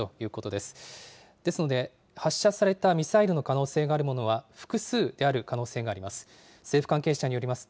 ですので、発射されたミサイルの可能性があるものは複数である可能性があります。